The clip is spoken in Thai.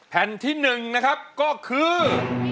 แผ่นที่๑นะครับก็คือ